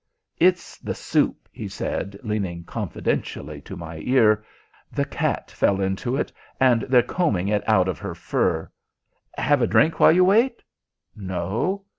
"It's the soup," he said, leaning confidentially to my ear. "The cat fell into it, and they're combing it out of her fur. Have a drink while you wait? No!